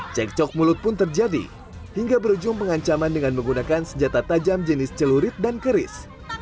cek cok mulut pun terjadi hingga berujung pengancaman dengan menggunakan senjata tajam jenis celurit dan keris